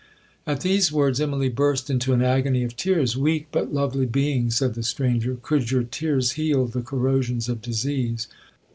At these words, Immalee burst into an agony of tears. 'Weak, but lovely being,' said the stranger, 'could your tears heal the corrosions of disease?